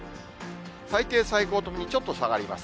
最低、最高ともに、ちょっと下がります。